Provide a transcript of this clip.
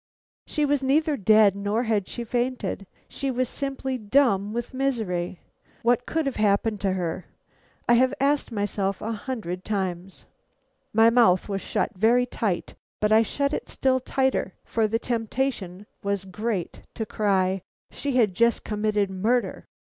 She was neither dead nor had she fainted; she was simply dumb with misery. What could have happened to her? I have asked myself a hundred times." My mouth was shut very tight, but I shut it still tighter, for the temptation was great to cry: "She had just committed murder!"